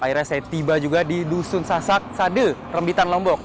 akhirnya saya tiba juga di dusun sasak sade rembitan lombok